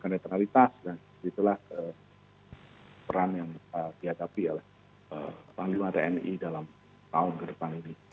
jaga netralitas dan itulah peran yang kita hadapi adalah pemilu tni dalam tahun ke depan ini